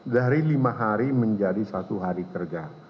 dari lima hari menjadi satu hari kerja